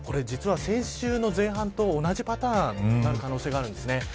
実は先週の前半と同じパターンになる可能性があるんです。